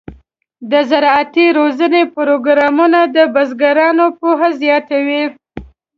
د زراعتي روزنې پروګرامونه د بزګرانو پوهه زیاتوي.